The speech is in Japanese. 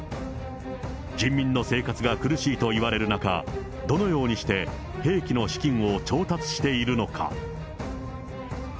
人民の生活が苦しいといわれる中、どのようにして兵器の資金を調達しているのか。